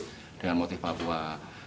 berarti dengan motif papua